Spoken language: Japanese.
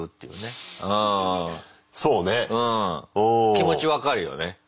気持ち分かるよね。